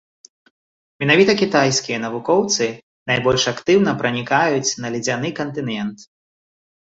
Менавіта кітайскія навукоўцы найбольш актыўна пранікаюць на ледзяны кантынент.